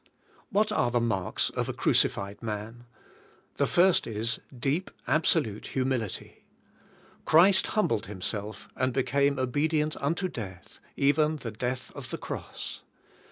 What are the marks of a crucified man? The first is, deep, absolute humility. Christ humbled Himself, and became obedient unto death, even the death of the cross.